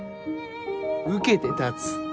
受けて立つ。